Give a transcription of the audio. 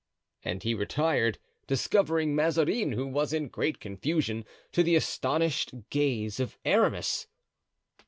And he retired, discovering Mazarin, who was in great confusion, to the astonished gaze of Aramis.